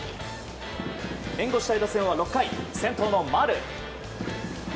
援護したい打線は６回、先頭の丸。